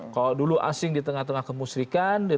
kalau dulu asing di tengah tengah kemusrikan